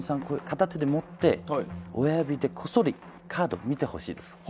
片手で持って親指でこっそりカードを見てほしいです。